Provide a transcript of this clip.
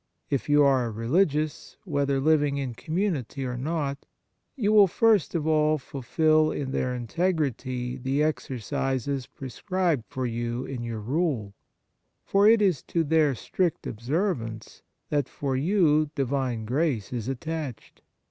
If you are a religious, whether living in community or not, you will first of all fulfil in their integrity the exercises prescribed for you in your rule ; for it is to their strict obser vance that for you divine grace is attached.